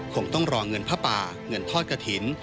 คงต้องรอเงินผ้าป่าเงินทอดกระถิ่น